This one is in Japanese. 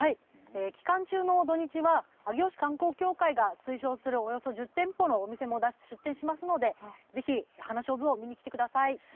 期間中の土日は上尾市観光協会が推奨するおよそ１０店舗のお店も出店しますのでぜひ花しょうぶを見に来てください。